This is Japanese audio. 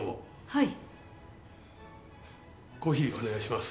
はい。